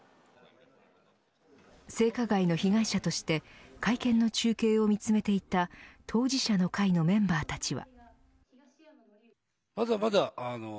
性加害の被害者として会見の中継を見つめていた当事者の会のメンバーたちは。